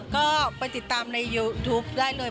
ก็ไปติดตามในยูทูปได้เลย